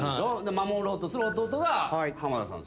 守ろうとする弟が濱田さんですよね。